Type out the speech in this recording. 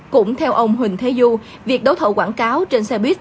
cũng theo ông huỳnh thế du việc đấu thầu quảng cáo trên xe buýt